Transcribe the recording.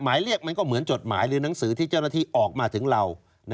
หมายเรียกมันก็เหมือนจดหมายหรือหนังสือที่เจ้าหน้าที่ออกมาถึงเรา